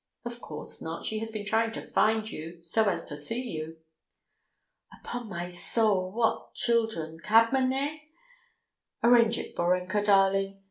"Of course not, she has been trying to find you so as to see you." "Upon my soul! What children! Cabman, eh? Arrange it, Borenka darling!